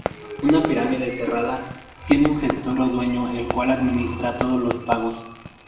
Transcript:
Una pirámide cerrada tiene un gestor o dueño el cual administra todos los pagos.